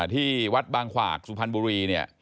ที่วัดบางขวากสุพรรณบุรีเนี่ย